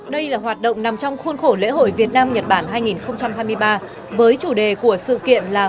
đây là hoạt động nằm trong khuôn khổ lễ hội việt nam nhật bản hai nghìn hai mươi ba với chủ đề của sự kiện là